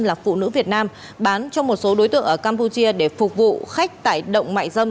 là phụ nữ việt nam bán cho một số đối tượng ở campuchia để phục vụ khách tải động mại dâm